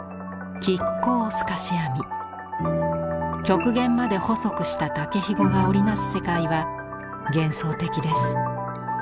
極限まで細くした竹ひごが織り成す世界は幻想的です。